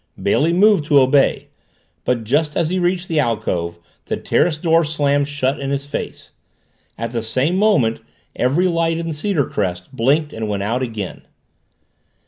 Bailey moved to obey. But just as he reached the alcove the terrace door slammed shut in his face. At the same moment every light in Cedarcrest blinked and went out again.